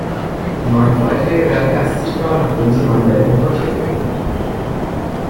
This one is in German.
Die neuen Beiträge werden erst sichtbar, nachdem sie manuell importiert wurden.